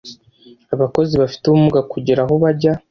abakozi bafite ubumuga kugera aho bajya